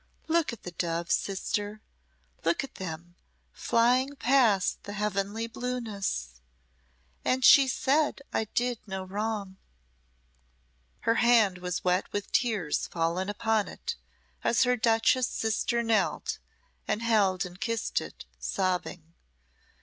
Look at the doves, sister, look at them, flying past the heavenly blueness and she said I did no wrong." Her hand was wet with tears fallen upon it, as her duchess sister knelt, and held and kissed it, sobbing.